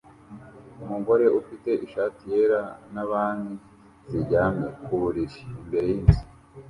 Umugore ufite ishati yera na banki ziryamye ku buriri imbere yinzu